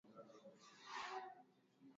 Viazi alivyonunua vimeoza